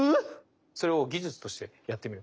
それを技術としてやってみる。